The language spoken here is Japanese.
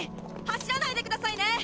走らないでくださいね。